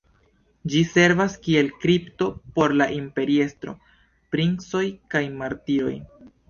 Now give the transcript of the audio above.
Ĝi servas kiel kripto por la imperiestro, princoj kaj martiroj.